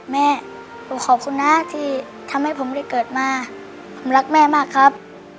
แม่ผมขอบคุณนะที่ทำให้ผมได้เกิดมาผมรักแม่มากครับ